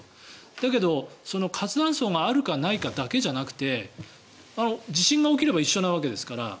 だけど、活断層があるかないかだけじゃなくて地震が起きれば一緒なわけですから。